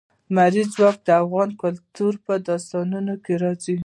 لمریز ځواک د افغان کلتور په داستانونو کې راځي.